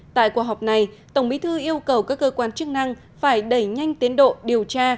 tại cuộc họp này tổng bí thư yêu cầu các cơ quan chức năng phải đẩy nhanh tiến độ điều tra